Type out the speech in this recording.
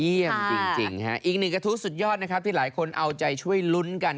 จริงฮะอีกหนึ่งกระทู้สุดยอดนะครับที่หลายคนเอาใจช่วยลุ้นกัน